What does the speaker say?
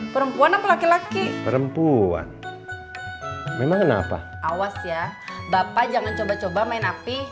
perempuan apa laki laki perempuan memang kenapa awas ya bapak jangan coba coba main api